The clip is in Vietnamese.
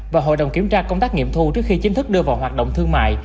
và hội đồng kiểm tra công tác nghiệm thu trước khi chính thức đưa vào hoạt động thương mại